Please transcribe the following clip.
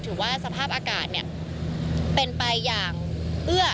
ถือว่าสภาพอากาศเป็นไปอย่างเอื้อ